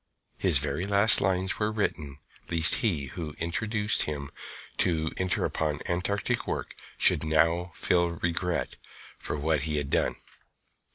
His very last lines were written lest he who induced him to enter upon Antarctic work should now feel regret for what he had done.